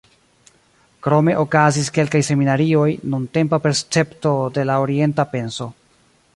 Krome okazis kelkaj seminarioj "Nuntempa percepto de la orienta penso".